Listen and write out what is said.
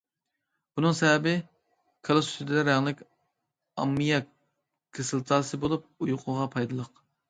بۇنىڭ سەۋەبى، كالا سۈتىدە رەڭلىك ئاممىياك كىسلاتاسى بولۇپ، ئۇيقۇغا پايدىلىق.